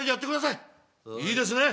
いいですね。